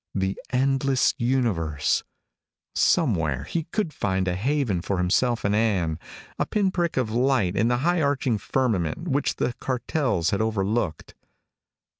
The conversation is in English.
The endless universe! Somewhere he could find a haven for himself and Ann, a pinprick of light in the high arching firmament which the cartels had overlooked.